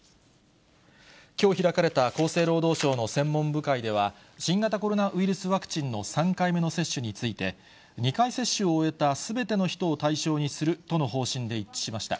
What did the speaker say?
きょう開かれた厚生労働省の専門部会では、新型コロナウイルスワクチンの３回目の接種について、２回接種を終えたすべての人を対象にするとの方針で一致しました。